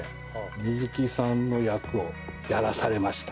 水木さんの役をやらされました。